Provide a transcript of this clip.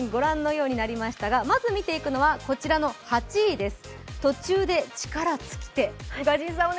ようになりましたがまず見ていくのは、こちらの８位です。